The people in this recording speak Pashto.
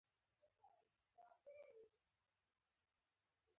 ایا مصنوعي ځیرکتیا د رسنیز مسؤلیت اړتیا نه زیاتوي؟